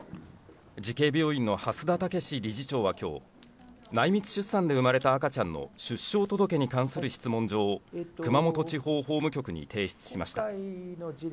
慈恵病院の蓮田健理事長は今日、内密出産で生まれた赤ちゃんの出生届に関する質問状を熊本地方法務局に提出しました。